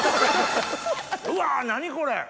うわ何これ！